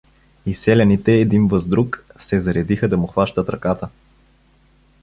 И селяните един въз друг се заредиха да му хващат ръката.